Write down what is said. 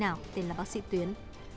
bệnh viện nào tên là bác sĩ tuyến